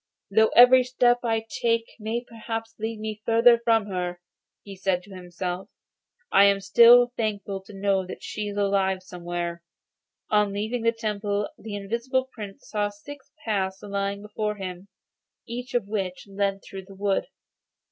'Though every step that I take may perhaps lead me further from her,' he said to himself, 'I am still thankful to know that she is alive somewhere.' On leaving the temple the Invisible Prince saw six paths lying before him, each of which led through the wood.